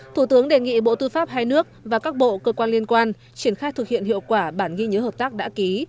thủ tướng đề nghị bộ tư pháp hai nước và các bộ cơ quan liên quan triển khai thực hiện hiệu quả bản ghi nhớ hợp tác đã ký